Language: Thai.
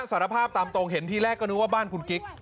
สารภาพตามตรงเห็นทีแรกก็นึกว่าบ้านคุณกิ๊ก